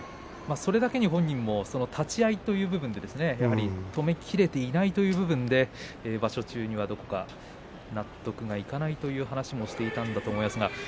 本人も、立ち合いという部分で止めきれていないという部分で場所中にはどこか納得がいかないという話もしていたんだと思います。